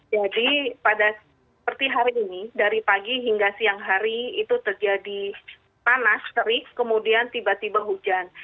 jadi pada seperti hari ini dari pagi hingga siang hari itu terjadi panas serik kemudian tiba tiba hujan